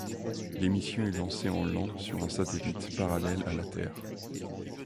L'émission est lancée en l'an sur un satellite parallèle à la terre.